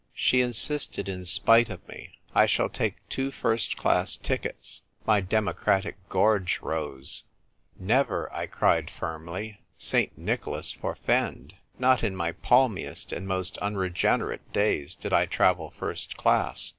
She insisted in spite of me. " I shall take two first class tickets." My democratic gorge rose. " Never !" I cried firmly. " St. Nicholas forfend ! Not in my palmiest and most unregenerate days did I travel first class.